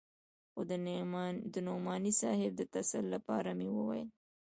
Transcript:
خو د نعماني صاحب د تسل لپاره مې وويل.